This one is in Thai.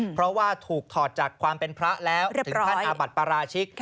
เพราะว่าถูกถอดจากความเป็นพระแล้วถึงขั้นอาบัติปราชิก